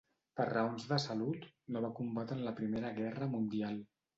Per raons de salut, no va combatre en la Primera Guerra Mundial.